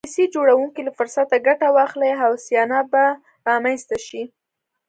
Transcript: پالیسي جوړوونکي له فرصته ګټه واخلي هوساینه به رامنځته شي.